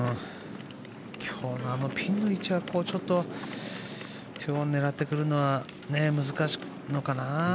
今日、あのピンの位置は２オンを狙ってくるのは難しいのかな。